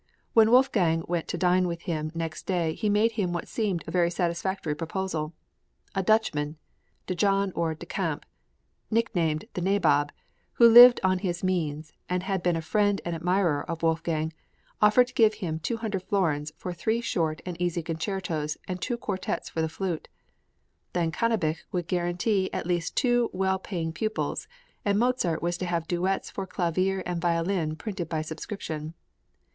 When Wolfgang went to dine with him next day he made him what seemed a very satisfactory proposal. A Dutchman (Dejean or Dechamps) nicknamed the Nabob, who lived on his means, and had been a friend and admirer of Wolfgang, offered to give him 200 florins for three short and easy concertos and two quartets for the flute; then Cannabich would guarantee at least two well paying pupils, and Mozart was to have duets for clavier and violin printed by subscription.